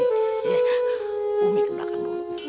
umi kebelakang dulu